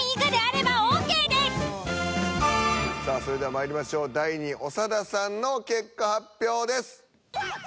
さあそれではまいりましょう第２位長田さんの結果発表です。